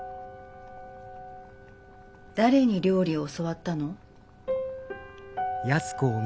誰に料理を教わったの？